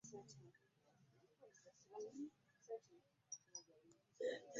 Atwala ekkomera lino, Sabala Steven, abatuuze gwe basonzeemu olunwe lw’okwagala okubagoba ku ttaka lyabwe.